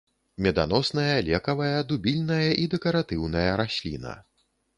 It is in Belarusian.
Меданосная, лекавая, дубільная і дэкаратыўная расліна.